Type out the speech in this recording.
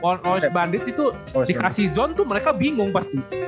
all os bandit itu dikasih zone tuh mereka bingung pasti